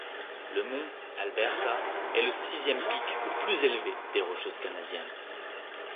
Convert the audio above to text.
Le mont Alberta est le sixième pic le plus élevé des Rocheuses canadiennes.